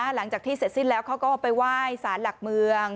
หลังจากที่เสร็จสิ้นแล้วเขาก็ไปไหว้สารหลักเมือง